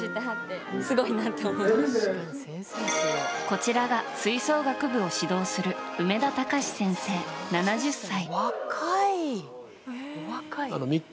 こちらが吹奏楽部を指導する梅田隆司先生、７０歳。